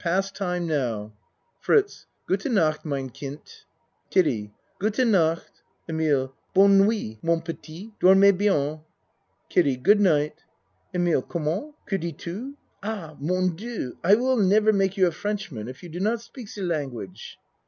Past time now. FRITZ Gute nacht mine kint. KIDDIE Gute nacht. EMILE Bonne nuit, mon petit. Dormez bien. KIDDIE Good night. EMILE Comment? Que dis tu? Ah! Mon Dieu! I will never make you a Frenchman if you do not speak ze language.